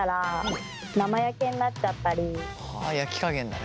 焼き加減だね。